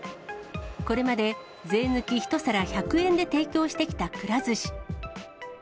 これまで税抜き１皿１００円で提供してきたくら寿司。